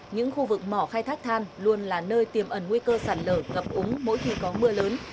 những khu vực mỏ khai thác than luôn là nơi tiềm ẩn nguy cơ sạt lở ngập úng mỗi khi có mưa lớn